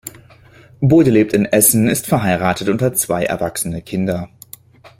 Bode lebt in Essen, ist verheiratet und hat zwei erwachsene Kinder.